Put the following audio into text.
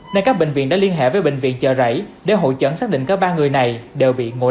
nên các bệnh viện đã liên hệ với bệnh viện chờ rảy để hội chấn xác định các ba người này đều bị ngộ độc